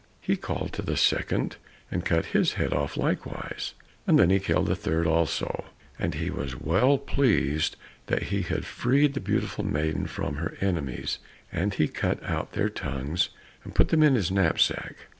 He called to the second and cut his head off likewise, and then he killed the third also, and he was well pleased that he had freed the beautiful maiden from her enemies, and he cut out their tongues and put them in his knapsack.